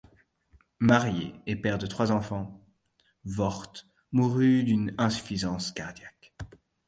Marié et père de trois enfants, Vogt mourut d'une insuffisance cardiaque.